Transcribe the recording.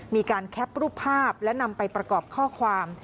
มีการแคปรูปภาพและนำไปประกอบข้อความ